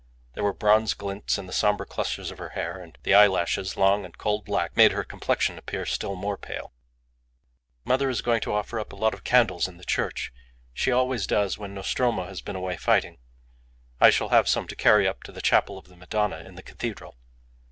There were bronze glints in the sombre clusters of her hair, and the eyelashes, long and coal black, made her complexion appear still more pale. "Mother is going to offer up a lot of candles in the church. She always does when Nostromo has been away fighting. I shall have some to carry up to the Chapel of the Madonna in the Cathedral."